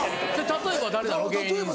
例えば誰なの？